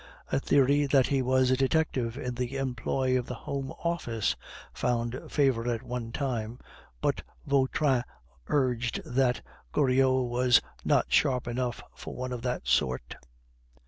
A theory that he was a detective in the employ of the Home Office found favor at one time, but Vautrin urged that "Goriot was not sharp enough for one of that sort."